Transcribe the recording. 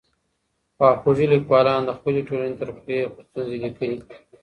خواخوږي ليکوال د خپلي ټولني ترخې ستونزې ليکلې.